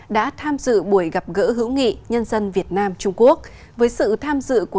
đã tham dự buổi gặp gỡ hữu nghị nhân dân việt nam trung quốc với sự tham dự của